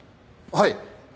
はい。